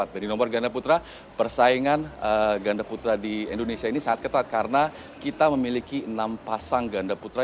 jadi nomor ganda putra persaingan ganda putra di indonesia ini sangat ketat karena kita memiliki enam pasang ganda putra